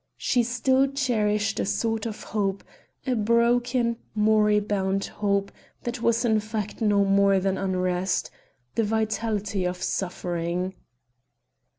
She still cherished a sort of hope a broken, moribund hope that was in fact no more than unrest the vitality of suffering.